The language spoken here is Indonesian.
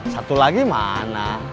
satu lagi mana